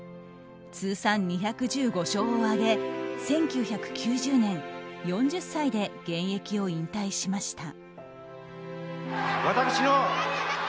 通算２１５勝を挙げ１９９０年４０歳で現役を引退しました。